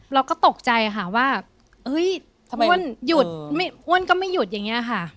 เราก็ตกใจค่ะว่าเอ้ยอ้วนก็ไม่หยุดอย่างนี้ค่ะ